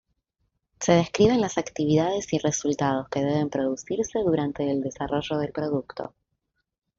Se describen las actividades y resultados que deben producirse durante el desarrollo del producto.